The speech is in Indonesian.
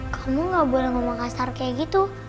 kamu gak boleh ngomong kasar kayak gitu